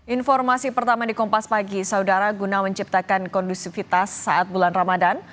informasi pertama di kompas pagi saudara guna menciptakan kondusivitas saat bulan ramadan